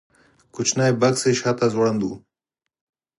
کوچنی بکس یې شاته ځوړند و.